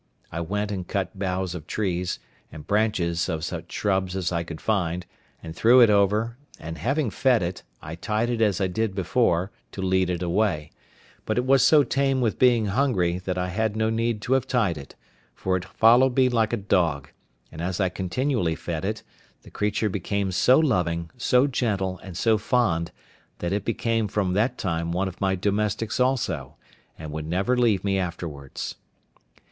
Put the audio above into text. I went and cut boughs of trees, and branches of such shrubs as I could find, and threw it over, and having fed it, I tied it as I did before, to lead it away; but it was so tame with being hungry, that I had no need to have tied it, for it followed me like a dog: and as I continually fed it, the creature became so loving, so gentle, and so fond, that it became from that time one of my domestics also, and would never leave me afterwards.